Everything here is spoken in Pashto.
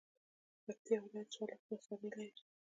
پکتيا ولايت څوارلس ولسوالۍ لري